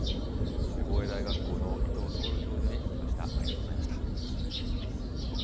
防衛大学校の伊藤融教授に聞きました。